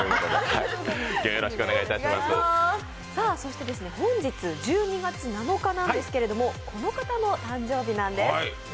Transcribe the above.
そして本日１２月７日ですが、この方の誕生日なんです。